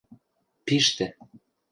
— Пиштӹ...